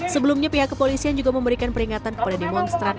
sebelumnya pihak kepolisian juga memberikan peringatan kepada demonstran